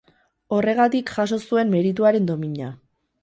Horregatik jaso zuen Merituaren domina.